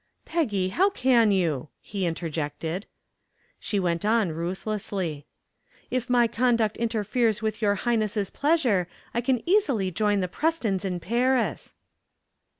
"Peggy, how can you," he interjected. She went on ruthlessly. "If my conduct interferes with your highness's pleasure I can easily join the Prestons in Paris."